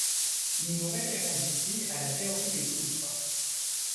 Nous nous référons ici à la théorie des poutres.